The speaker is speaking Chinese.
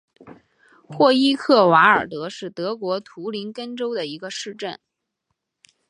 霍伊克瓦尔德是德国图林根州的一个市镇。